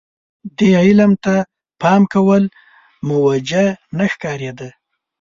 دې علم ته پام کول موجه نه ښکارېده.